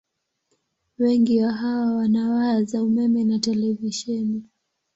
Wengi wa hawa wana waya za umeme na televisheni.